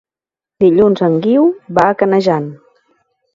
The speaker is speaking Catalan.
Dilluns en Guiu va a Canejan.